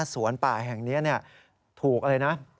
สวนป่าแห่งนี้เนี่ยถูกเลยนะ